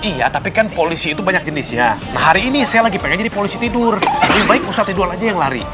iya tapi kan polisi itu banyak jenisnya nah hari ini saya lagi pengen jadi polisi tidur lebih baik pusat tidur aja yang lari